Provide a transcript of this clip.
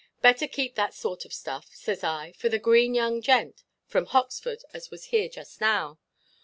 Better keep that sort of stuff,' says I, 'for the green young gent from Hoxford as was here just now.